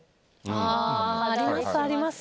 ありますあります